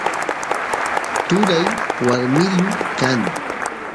turay warmilu kan